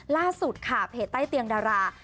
ล่าสุดค่ะเพจใต้เตียงดารา